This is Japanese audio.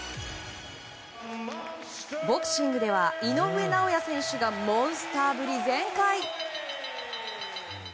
ボクシングでは井上尚弥選手がモンスターぶり全開。